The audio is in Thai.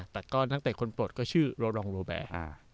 แต่ก็นักเตะคนปลดก็ชื่อโรรองโรแบร์